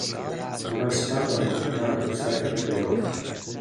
Non ho esitato nel continuare a bussare a tutte le porte.